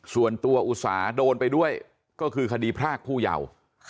ส่วนตัวอุตสาหโดนไปด้วยก็คือคดีพรากผู้เยาว์